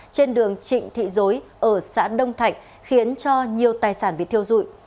trên đường trịnh thị dối ở xã đông thạnh khiến cho nhiều tài sản bị thiêu dụi